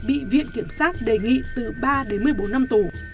các bị cáo còn lại bị viện kiểm sát đề nghị từ ba đến một mươi bốn năm tù